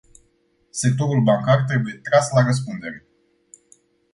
Sectorul bancar trebuie tras la răspundere.